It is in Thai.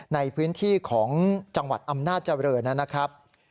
ในพื้นที่ของจังหวัดอำนาจเจริญนะครับ